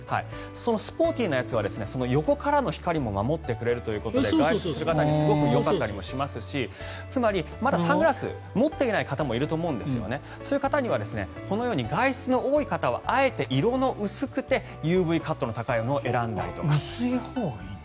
スポーティーなやつは横からの光からも守ってくれるということで外出する方にすごくよかったりもしますしまだサングラスを持っていない方もいると思うんですがそういう方にはこのように外出の多い方には色の薄くてＵＶカットの高いのを選んだりとか。